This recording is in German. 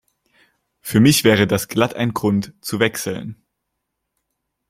Für mich wäre das glatt ein Grund, zu wechseln.